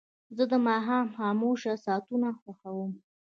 زه د ماښام خاموشه ساعتونه خوښوم.